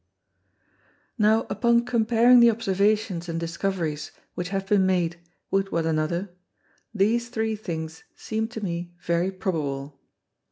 Now upon comparing the Observations and Discoveries which have been made with one another, these three things seem to me very probable.